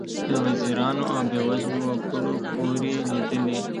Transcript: له وزیرانو او بې وزلو وګړو پورې لیدلي.